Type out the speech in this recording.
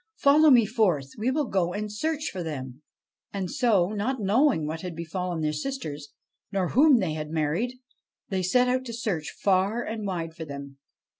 Follow me forth: we will go and search for them 1 ' And so, not knowing what had befallen their sisters, nor whom they had married, they set out to search far and wide for them.